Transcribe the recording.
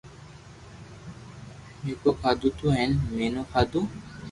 پآزا کاڌو تو ھين ميٺو کادو